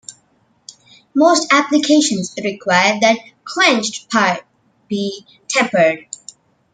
Most applications require that quenched parts be tempered.